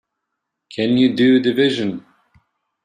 Can you do division?